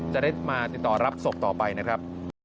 จะได้มาติดต่อรับศพต่อไปนะครับ